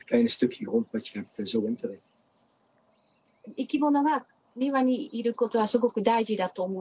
いきものが庭にいることはすごく大事だと思います。